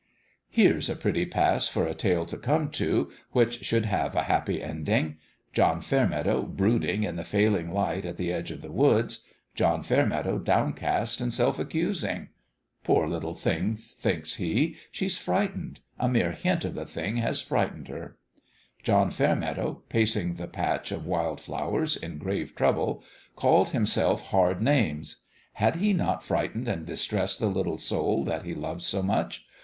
Here's a pretty pass for a tale to come to 352 LOfE AND LABOUR which should have a happy ending ! John Fairmeadow brooding in the failing light at the edge of the woods : John Fairmeadow downcast and self accusing. " Poor little thing !" thinks he ;" she's frightened a mere hint of the thing has frightened her !" John Fairmeadow, pacing the patch of wild flowers, in grave trouble, called himself hard names. Had he not frightened and distressed the little soul that he loved so much